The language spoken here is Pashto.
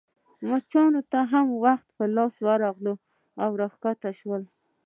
مچانو ته هم وخت په لاس ورغلی او راکښته شول.